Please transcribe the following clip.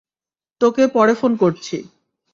তোকে পরে ফোন করছি।